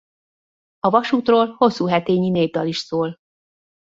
A vasútról hosszúhetényi népdal is szól.